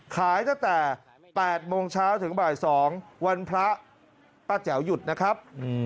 ขายตั้งแต่๘โมงเช้าถึงบ่าย๒วันพระป้าแจ๋วหยุดนะครับ